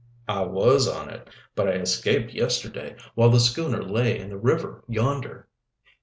"I was on it, but I escaped yesterday, while the schooner lay in the river yonder."